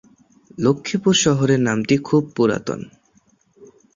লক্ষীপুর শহরের নামটি খুব পুরাতন।